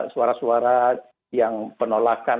suara suara yang penolakan